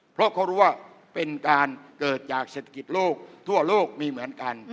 เพราะเขารู้ว่าเป็นการเกิดจากเศรษฐกิจโลกทั่วโลกมีเหมือนกัน